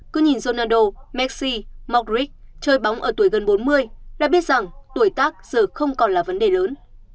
cứ nhìn ronaldo messi modric chơi bóng ở tuổi gần bốn mươi đã biết rằng tuổi tác giờ không còn là vấn đề lớn